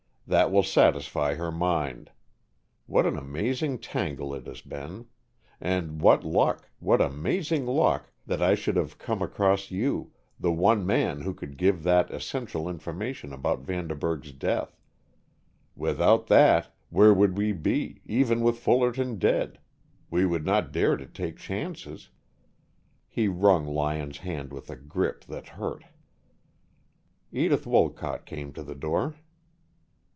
"That will satisfy her mind. What an amazing tangle it has been. And what luck what amazing luck that I should have come across you, the one man who could give that essential information about Vanderburg's death. Without that, where would we be, even with Fullerton dead? We would not dare to take chances." He wrung Lyon's hand with a grip that hurt. Edith Wolcott came to the door.